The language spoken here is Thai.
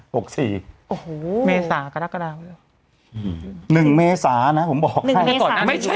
หกสี่โอ้โหเมษากระดักกระดาษหนึ่งเมษานะผมบอกให้หนึ่งเมษาไม่ใช่